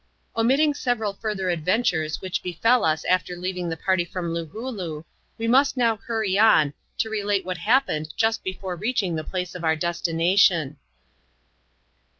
Omitting several further adventures which befell us after leaving the party from Loohooloo, we must now hurry on, to relate what happened just before reaching the place of our destination.